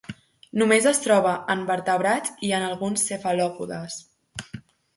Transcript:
Només es troba en vertebrats i en alguns cefalòpodes.